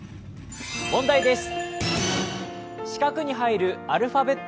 問題です。